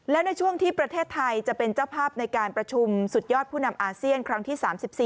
และในช่วงที่ประเทศไทยจะเป็นเจ้าภาพในการประชุมสุดยอดผู้นำอาเซียนครั้งที่๓๔